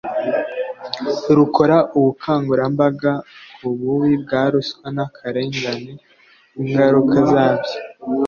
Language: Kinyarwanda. rukora ubukangurambaga ku bubi bwa ruswa n akarengane ingaruka zabyo